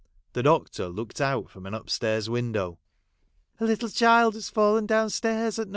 The doctor looked out from an upstairs window. ' A little child has fallen down stairs at No.